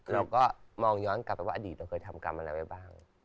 เราก็มองย้อนกลับไปว่าอดีตเราเคยทำกรรมอะไรไว้บ้าง